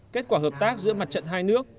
kết quả hợp tác giữa mặt trận hai nước